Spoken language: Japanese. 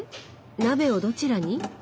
鍋をどちらに？